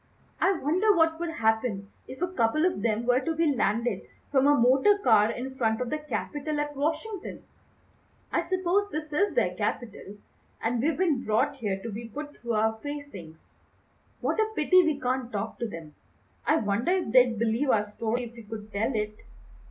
"I wonder what would happen if a couple of them were to be landed from a motor car in front of the Capitol at Washington. I suppose this is their Capitol, and we've been brought here to be put through our facings. What a pity we can't talk to them! I wonder if they'd believe our story if we could tell it."